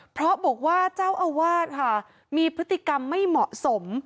เพราะบอกว่าเจ้าอาวาสค่ะมีพฤติกรรมไม่เหมาะสม